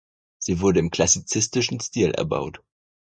Sie wurde im klassizistischen Stil erbaut.